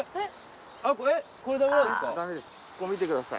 ここ見てください。